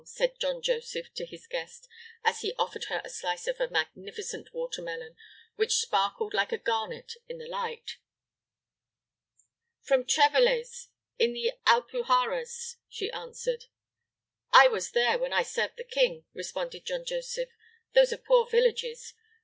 said John Joseph to his guest, as he offered her a slice of a magnificent watermelon, which sparkled like a garnet in the light. "From Treveles, in the Alpujarras," she answered. "I was there when I served the king," responded John Joseph. "Those are poor villages.